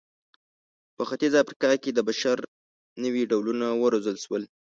په ختیځه افریقا کې د بشر نوي ډولونه وروزل شول.